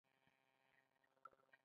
خټکی مهربانه میوه ده.